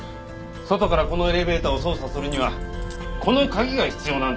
外からこのエレベーターを操作するにはこの鍵が必要なんです。